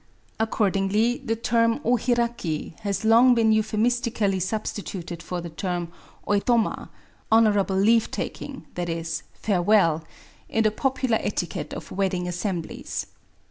Accordingly, the term o^iraki has long been euphemistically substituted for the term oitoma (<* honourable leaTe taking, i.e. '* &reweU ), m the popular etiquette of wedding assemblies.